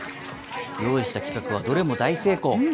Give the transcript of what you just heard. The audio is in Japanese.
用意した企画はどれも大成功。